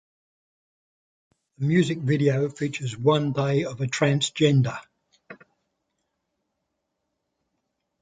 The music video features one day of a transgender.